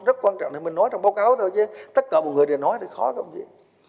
rất quan trọng thì mình nói trong báo cáo thôi chứ tất cả mọi người đều nói thì khó công chí